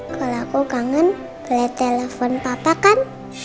kalau aku kangen boleh telepon papa kan